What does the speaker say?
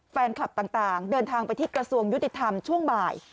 แฟนคลับต่างเดินทางไปที่กระทรวงยุติธรรมช่วงบ่าย